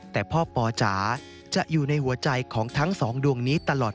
แต่พ่อปอจ๋าจะอยู่ในหัวใจของทั้งสองดวงนี้ตลอด